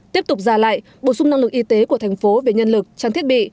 tiếp tục giả lại bổ sung năng lực y tế của thành phố về nhân lực trang thiết bị